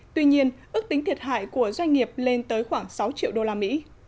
tuy nhiên ước tính thiệt hại của doanh nghiệp lên tới khoảng sáu triệu usd